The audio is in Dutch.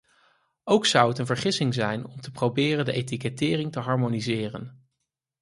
Ook zou het een vergissing zijn om te proberen de etikettering te harmoniseren.